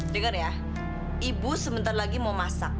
dengar ya ibu sebentar lagi mau masak